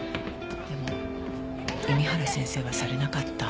でも弓原先生はされなかった。